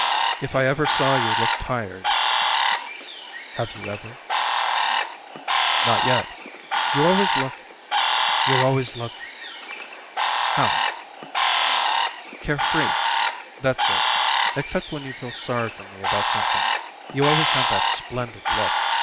If I ever saw you look tired " "Have you ever?" "Not yet. You always look you always look " "How?" "Care free. That's it. Except when you feel sorry for me about something, you always have that splendid look.